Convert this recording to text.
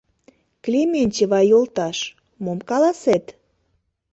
Клементьева йолташ, мом каласет?